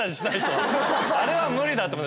あれは無理だ。